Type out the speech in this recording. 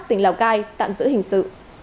tỉnh lào cai tạm giữ hình sự